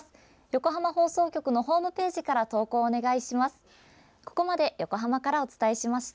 横浜放送局のホームページから投稿お願いします。